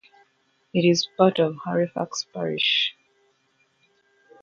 It is part of Halifax Parish.